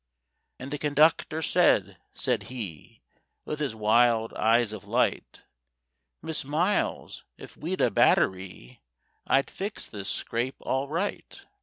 And the conductor said, said he, With his wild eyes of light: 'Miss Miles, if we'd a battery, I'd fix this scrape all right.